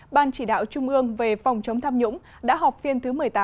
ban chỉ đạo trung ương về phòng chống tham nhũng đã họp phiên thứ một mươi tám